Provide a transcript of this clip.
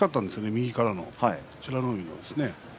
右からの、美ノ海のですね。